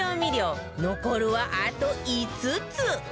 残るはあと５つ